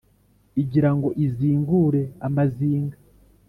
Igira ngo izingure amazinga